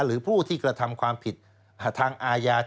หรือผู้ที่กระทำความผิดทางอาญา